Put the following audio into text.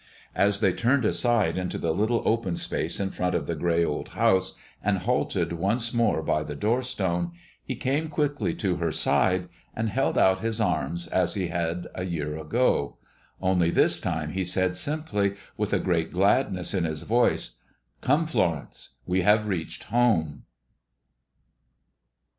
As they turned aside into the little open space in front of the gray old house, and halted once more by the door stone, he came quickly to her side and held out his arms as he had a year ago. Only this time he said simply, with a great gladness in his voice, "Come, Florence; we have reached home!"